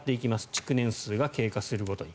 築年数が経過するごとに。